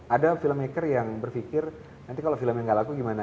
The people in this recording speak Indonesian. ada filmmaker yang berpikir nanti kalau filmnya gak laku gimana